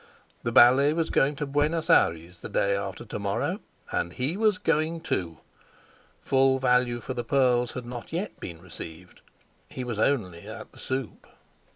The ballet was going to Buenos Aires the day after to morrow, and he was going too. Full value for the pearls had not yet been received; he was only at the soup.